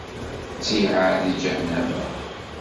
Ttiɛad di ǧahennama.